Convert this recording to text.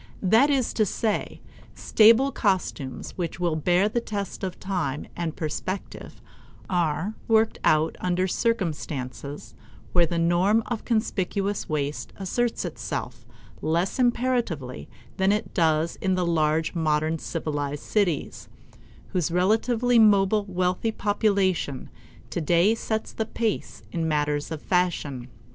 That is to say, stable costumes which will bear the test of time and perspective are worked out under circumstances where the norm of conspicuous waste asserts itself less imperatively than it does in the large modern civilized cities, whose relatively mobile wealthy population today sets the pace in matters of fashion.